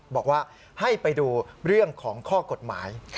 บอกว่าให้ไปดูเรื่องของข้อกฎหมาย